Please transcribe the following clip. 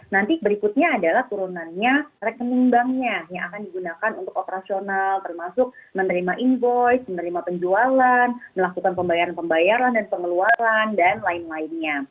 nanti berikutnya adalah turunannya rekening banknya yang akan digunakan untuk operasional termasuk menerima invoice menerima penjualan melakukan pembayaran pembayaran dan pengeluaran dan lain lainnya